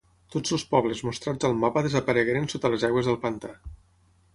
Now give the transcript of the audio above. Tots els pobles mostrats al mapa desaparegueren sota les aigües del pantà.